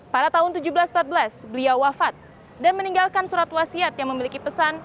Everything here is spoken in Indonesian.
pada tahun seribu tujuh ratus empat belas beliau wafat dan meninggalkan surat wasiat yang memiliki pesan